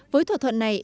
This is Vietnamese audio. với thỏa thuận này